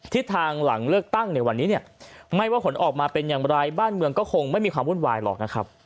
ทิศทางหลังเลือกตั้งในวันนี้เนี่ยไม่ว่าผลออกมาเป็นอย่างไรบ้านเมืองก็คงไม่มีความวุ่นวายหรอกนะครับ